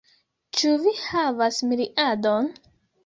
Ĉu vi havas miriadon?